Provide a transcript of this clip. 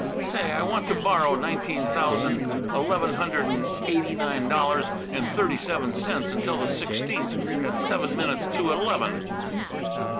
"Say, I want to borrow nineteen thousand eleven hundred and eighty nine dollars and thirty seven cents until the sixteenth at seven minutes to eleven."